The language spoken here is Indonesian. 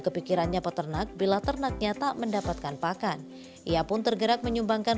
kepikirannya peternak bila ternaknya tak mendapatkan pakan ia pun tergerak menyumbangkan